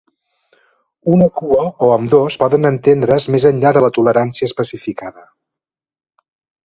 Una cua o ambdós poden estendre's més enllà de la tolerància especificada.